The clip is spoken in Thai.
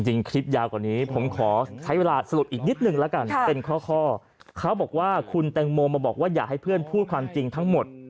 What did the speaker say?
คลิปยาวกว่านี้ผมขอใช้เวลาสรุปอีกนิดนึงแล้วกันเป็นข้อเขาบอกว่าคุณแตงโมมาบอกว่าอยากให้เพื่อนพูดความจริงทั้งหมด